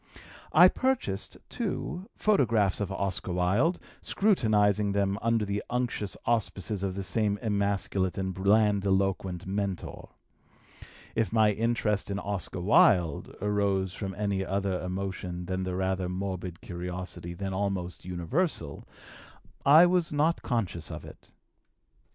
I purchased, too, photographs of Oscar Wilde, scrutinizing them under the unctuous auspices of this same emasculate and blandiloquent mentor. If my interest in Oscar Wilde arose from any other emotion than the rather morbid curiosity then almost universal, I was not conscious of it.